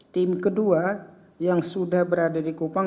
tim kedua yang sudah berada di kupang